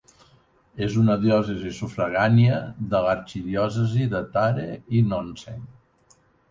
És una diòcesi sufragània de l'arxidiòcesi de Thare i Nonseng.